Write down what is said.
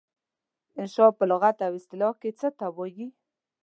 انشأ په لغت او اصطلاح کې څه ته وايي؟